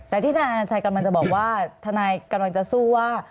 แต่ที่ทนายนัญชัยกำลังจะบอกว่าทนายกำลังจะสู้ว่า